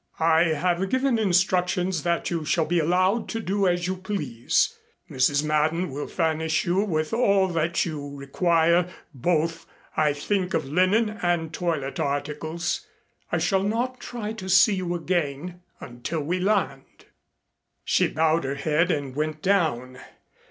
"I have given instructions that you shall be allowed to do as you please. Mrs. Madden will furnish you with all that you require both I think of linen and toilet articles. I shall not try to see you again until we land." She bowed her head and went down.